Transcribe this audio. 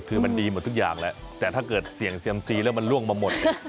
คือมันดีหมดทุกอย่างแหละแต่ถ้าเกิดเสี่ยงเซียมซีแล้วมันล่วงมาหมด